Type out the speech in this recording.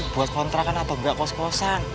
buat kontrakan atau enggak kos kosan